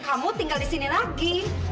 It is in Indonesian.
kamu tinggal di sini lagi